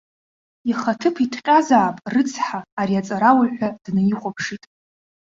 Ихы аҭыԥ иҭҟьазаап, рыцҳа, ари аҵарауаҩ ҳәа днаихәаԥшит.